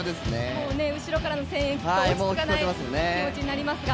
もうね、後ろからの声援聞いて落ち着かない気持になりますが。